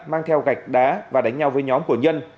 mang theo gạch đá và đánh nhau với nhóm của nhân